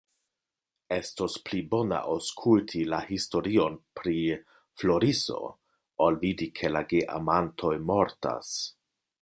Estos pli bone, aŭskulti la historion pri Floriso ol vidi, ke la geamantoj mortas.